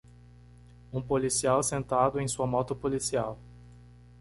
Um policial sentado em sua moto policial.